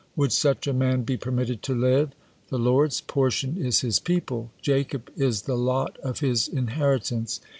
Would such a man be permitted to live? 'The Lord's portion is His people; Jacob is the lot of His inheritance.'